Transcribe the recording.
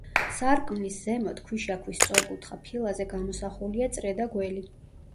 სარკმლის ზემოთ, ქვიშაქვის სწორკუთხა ფილაზე გამოსახულია წრე და გველი.